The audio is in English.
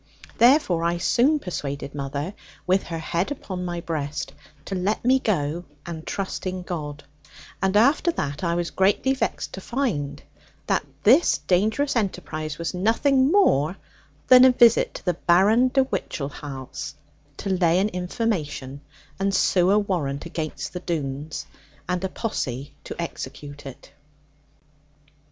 Therefore I soon persuaded mother, with her head upon my breast, to let me go and trust in God; and after that I was greatly vexed to find that this dangerous enterprise was nothing more than a visit to the Baron de Whichehalse, to lay an information, and sue a warrant against the Doones, and a posse to execute it.